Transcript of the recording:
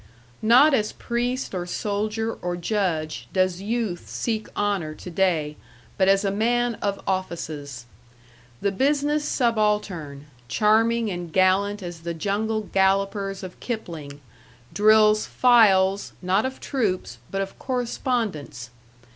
Not as priest or soldier or judge does youth seek honor to day, but as a man of offices. The business subaltern, charming and gallant as the jungle gallopers of Kipling, drills files, not of troops, but of correspondence.